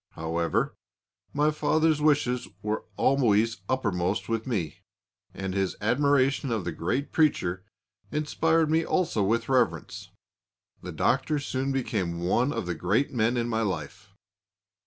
However, my father's wishes were always uppermost with me, and his admiration of the great preacher inspired me also with reverence. The Doctor soon became one of the great men of my life.